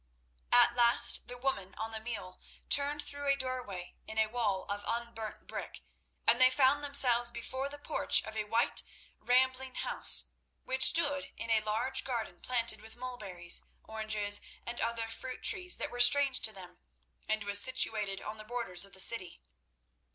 At last the woman on the mule turned through a doorway in a wall of unburnt brick, and they found themselves before the porch of a white, rambling house which stood in a large garden planted with mulberries, oranges and other fruit trees that were strange to them, and was situated on the borders of the city.